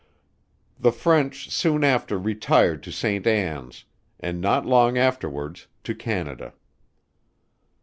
The French soon after retired to Saint Anns, and not long afterwards to Canada.